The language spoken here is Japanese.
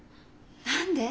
何で？